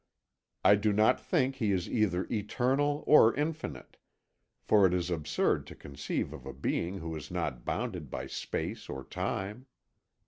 I do not think He is either eternal or infinite, for it is absurd to conceive of a being who is not bounded by space or time.